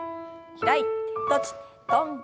開いて閉じて跳んで。